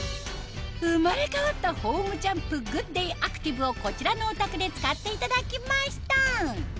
生まれ変わったホームジャンプグッデイアクティブをこちらのお宅で使っていただきました